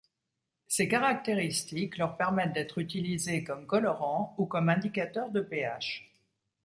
Ces caractéristiques leur permettent d'être utilisées comme colorant ou comme indicateur de pH.